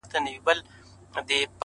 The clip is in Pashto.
د تجربې ارزښت په ازموینه معلومېږي